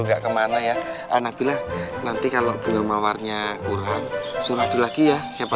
enggak kemana ya anak bilang nanti kalau bunga mawarnya kurang suruh lagi ya siapa